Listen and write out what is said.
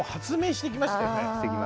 してきましたよね。